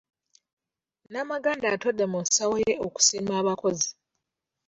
Namaganda atodde mu nsawo ye okusiima abakozi.